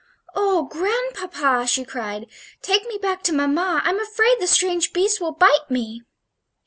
"Oh, grandpapa!" she cried; "take me back to mamma; I'm afraid the strange beast will bite me."